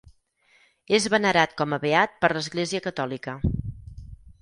És venerat com a beat per l'Església catòlica.